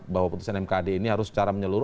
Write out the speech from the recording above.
bahwa putusan mkd ini harus secara menyeluruh